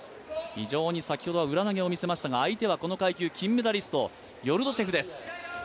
非常に先ほどは裏投を見せましたが、相手は、この階級、金メダリストユルドシェフです。